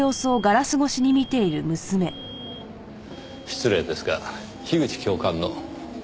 失礼ですが樋口教官の？